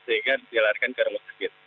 sehingga dilarikan ke rumah sakit